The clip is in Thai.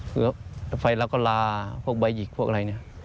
คือไฟแล้วก็ลาพวกใบหยิกพวกอะไรเนี่ย